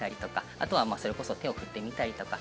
あとはそれこそ手を振ってみたりとか。